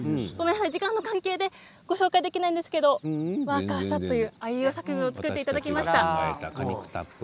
時間の関係でご紹介できないんですけれどわかさというあいうえお作文を作っていただきました。